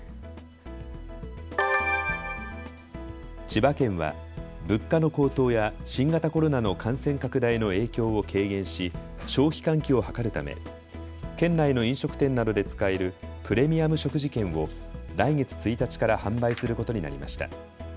千葉県は物価の高騰や新型コロナの感染拡大の影響を軽減し消費喚起を図るため県内の飲食店などで使えるプレミアム食事券を来月１日から販売することになりました。